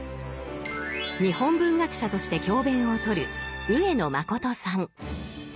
日本文学者として教鞭を執る上野誠さん。